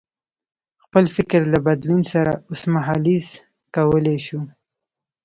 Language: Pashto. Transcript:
خپل فکر له بدلون سره اوسمهالیزه کولای شو.